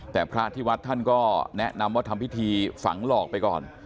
แต่พระที่วัดท่านก็แนะนำว่าทำพิธีฝังหลอกไปก่อน